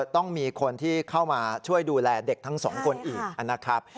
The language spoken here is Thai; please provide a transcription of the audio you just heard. ต้องมีคนที่เข้ามาช่วยดูแลเด็กทั้งสองคนอีกนะครับ